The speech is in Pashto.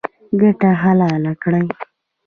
ګټه حلاله کړئ